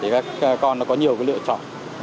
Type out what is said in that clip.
các con có nhiều lựa chọn